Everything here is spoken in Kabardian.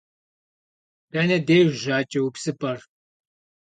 Дэнэ деж жьакӏэупсыпӏэр?